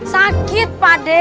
sakit pak de